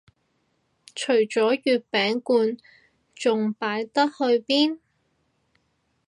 除咗月餅罐仲擺得去邊